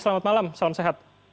selamat malam salam sehat